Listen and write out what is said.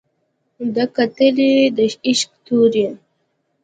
ده کتلى د عشق تورى